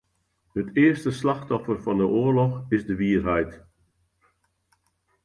It earste slachtoffer fan 'e oarloch is de wierheid.